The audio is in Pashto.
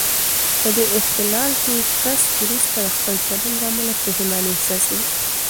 په دې اختلال کې کس وروسته د خپل چلن له امله پښېماني احساسوي.